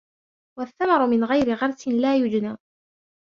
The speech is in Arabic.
وَالثَّمَرُ مِنْ غَيْرِ غَرْسٍ لَا يُجْنَى